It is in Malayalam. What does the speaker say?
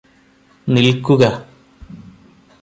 നിൽക്കുക